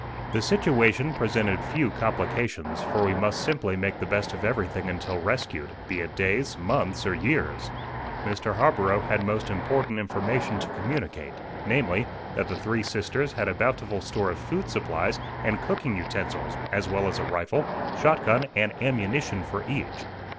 The situation presented few complications, for we must simply make the best of everything until rescued, be it days, months, or years. Mr. Harborough had most important information to communicate, namely, that the Three Sisters had a bountiful store of food supplies and cooking utensils, as well as a rifle, shot gun and ammunition for each.